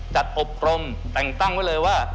อบรมแต่งตั้งไว้เลยว่า